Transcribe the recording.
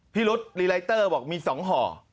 พี่รุษรีไลเตอร์บอกมีสองห่อ